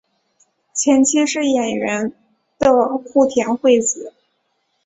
前妻是演员的户田惠子。